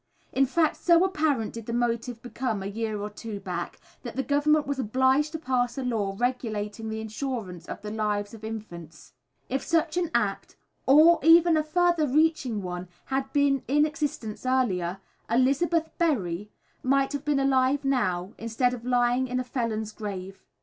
In fact, so apparent did the motive become a year or two back, that the Government was obliged to pass a law regulating the insurance of the lives of infants. If such an act, or even a further reaching one, had been in existence earlier, Elizabeth Berry might have been alive now instead of lying in a felon's grave.